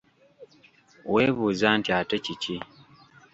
Weebuuza nti ate kiki?